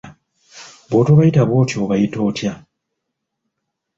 Bw'otobayita bw'otyo obayita otya?